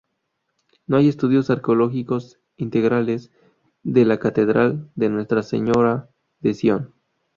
No hay estudios arqueológicos integrales de la Catedral de Nuestra Señora de Sión.